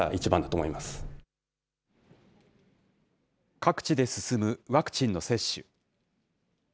各地で進むワクチンの接種。